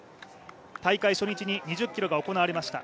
大会初日に２０ｋｍが行われました。